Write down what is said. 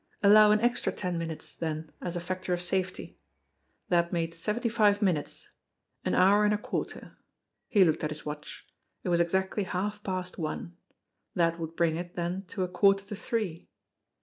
Allow an extra ten minutes, then, as a factor of safety. That made seventy five minutes an hour and a quarter. He looked at his watch. It was exactly half past one. That would bring it, then, to a quarter to three.